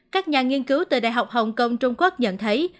các nhà nghiên cứu từ đại học hồng kông trung quốc nhận thấy